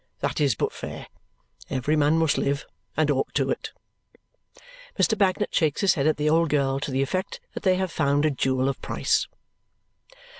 That is but fair. Every man must live, and ought to it." Mr. Bagnet shakes his head at the old girl to the effect that they have found a jewel of price.